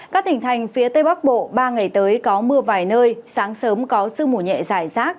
các tỉnh thành phía tây bắc bộ ba ngày tới có mưa vài nơi sáng sớm có sương mù nhẹ dài rác